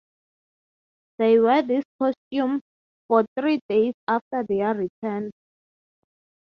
They wear this costume for three days after their return.